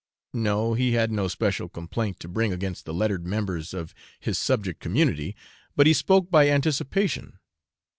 No; he had no special complaint to bring against the lettered members of his subject community, but he spoke by anticipation.